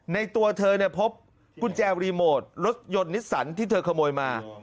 ตัวเธอเนี่ยพบกุญแจรีโมทรถยนต์นิสสันที่เธอขโมยมา